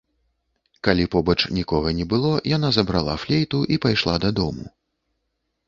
Калі побач нікога не было, яна забрала флейту і пайшла дадому.